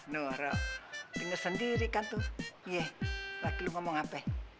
nuh rob dengar sendiri kan tuh laki lu ngomong apa